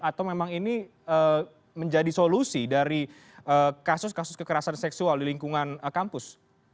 atau memang ini menjadi solusi dari kasus kasus kekerasan seksual di lingkungan kampus